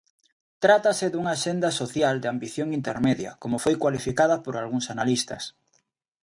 Trátase dunha axenda social de ambición intermedia, como foi cualificada por algúns analistas.